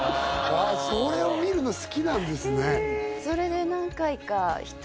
あそれを見るの好きなんですね